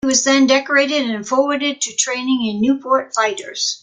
He was then decorated and forwarded to training in Nieuport fighters.